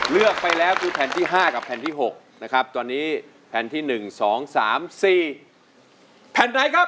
เลือกไปแล้วมาดูแผนที่๕กับแผนที่๖ตัวนี้แผนที่๑๒๓๔แผนไหนครับ